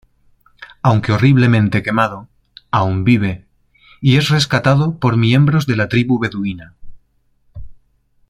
Aunque horriblemente quemado, aún vive, y es rescatado por miembros de la tribu beduina.